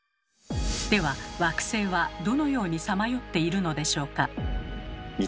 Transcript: では惑星はどのようにさまよっているのでしょうか？